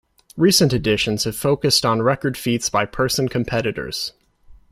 Recent editions have focused on record feats by person competitors.